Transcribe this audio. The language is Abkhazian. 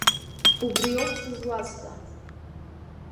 Убриоуп сызуазҵааз.